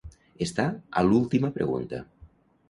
Estar a l'última pregunta.